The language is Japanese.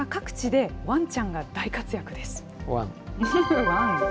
アメリカ各地でワンちゃんが大活躍です。